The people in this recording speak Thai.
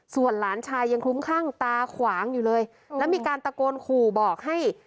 ส่วนหลานชายยังคลุ้มคลั่งตาขวางอยู่เลยแล้วมีการตะโกนขู่บอกให้